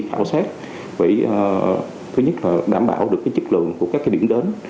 khảo sát vậy thứ nhất là đảm bảo được cái chất lượng của các cái điểm đến